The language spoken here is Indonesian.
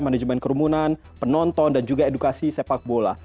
manajemen kerumunan penonton dan juga edukasi sepak bola